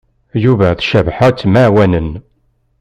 Yuba d Cabḥa ttemɛawanen.